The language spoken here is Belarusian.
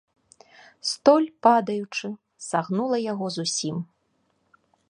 Столь, падаючы, сагнула яго зусім.